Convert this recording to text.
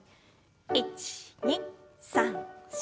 １２３４。